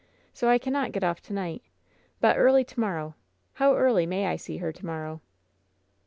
So I cannot get off to night! But early to morrow! How early may I see her to morrow?"